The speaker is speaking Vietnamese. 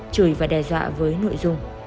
chửi và đe dọa với nội dung